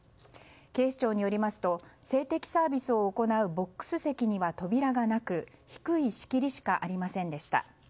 警視庁によりますと性的サービスを行うボックス席には扉がなく低い仕切りしかありませんでした。